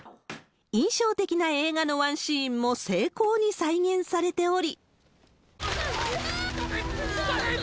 印象的な映画のワンシーンも精巧に再現されており。